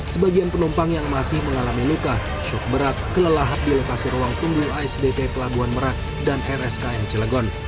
sebagian penumpang yang masih mengalami luka shock berat kelelahan di lokasi ruang tunggu asdp pelabuhan merak dan rskm cilegon